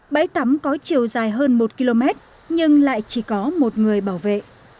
bãi tắm có chiều dài hơn một km nhưng lại chỉ có một người bảo vệ